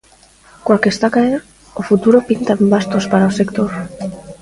Coa que está a caer, o futuro pinta en bastos para o sector?